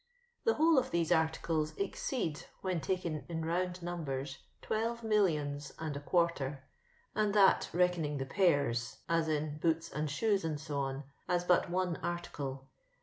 The whole of these articles exceed, when taken in round numbers, twelve millions and a quarter, and that reckoning the jMiirs," as in boots and shoes, &c., as but one article.